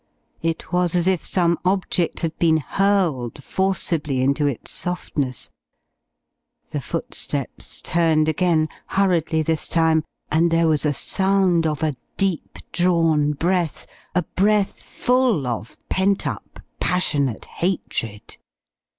It was as if some object had been hurled forcibly into its softness. The footsteps turned again, hurriedly this time, and there was a sound of a deep drawn breath a breath full of pent up, passionate hatred.